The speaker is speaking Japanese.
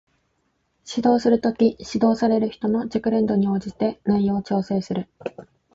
指導する時、指導される人の熟練度に応じて内容を調整する